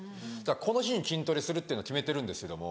この日に筋トレするっていうの決めてるんですけども。